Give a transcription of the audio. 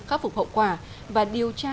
khắc phục hậu quả và điều tra